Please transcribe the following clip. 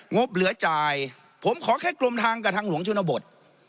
บเหลือจ่ายผมขอแค่กรมทางกับทางหลวงชนบท